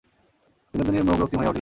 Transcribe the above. বিনোদিনীর মুখ রক্তিম হইয়া উঠিল।